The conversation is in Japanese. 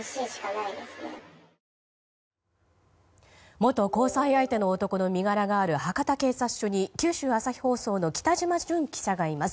元交際相手の男の身柄がある博多警察署に九州朝日放送の北島純記者がいます。